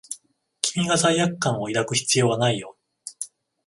君が罪悪感を抱く必要はないよ。